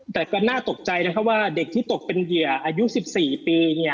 แต่ก็น่าตกใจนะครับว่าเด็กที่ตกเป็นเหยื่ออายุ๑๔ปี